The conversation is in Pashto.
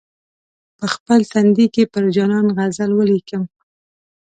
په خپل تندي کې پر جانان غزل ولیکم.